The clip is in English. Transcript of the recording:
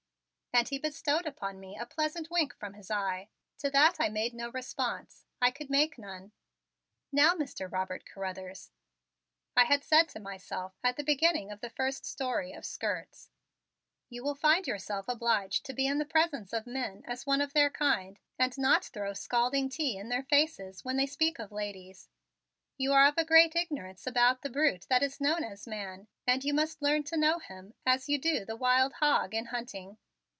And he bestowed upon me a pleasant wink from his eye. To that I made no response. I could make none. "Now, Mr. Robert Carruthers," I had said to myself at the beginning of the first story of "skirts," "you will find yourself obliged to be in the presence of men as one of their kind and not throw scalding tea in their faces when they speak of ladies. You are of a great ignorance about the brute that is known as man and you must learn to know him as you do the wild hog in hunting."